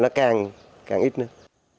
nó càng ít nữa